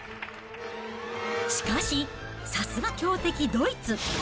しかし、さすが強敵ドイツ。